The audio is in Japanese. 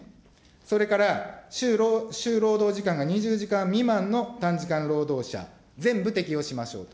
それから週労働時間が２０時間未満の短時間労働者、全部適用しましょうと。